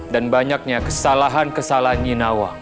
dan banyaknya kesalahan kesalahan nyinawang